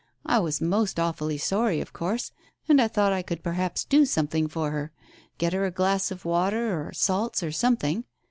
I was most awfully sorry, of course, and I thought I could perhaps do something for her, get her a glass of water, or salts, or something.